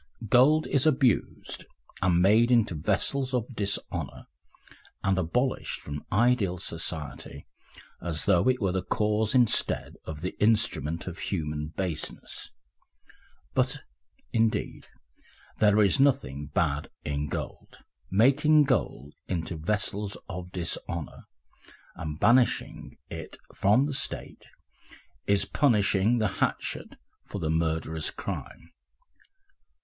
Gold is abused and made into vessels of dishonour, and abolished from ideal society as though it were the cause instead of the instrument of human baseness; but, indeed, there is nothing bad in gold. Making gold into vessels of dishonour and banishing it from the State is punishing the hatchet for the murderer's crime.